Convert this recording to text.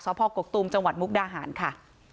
พ่อกกตูมจังหวัดมุกดาหารค่ะ